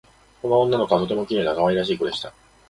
その女の子はとてもきれいなかわいらしいこでした